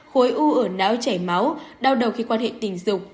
khối u ở não chảy máu đau đầu khi quan hệ tình dục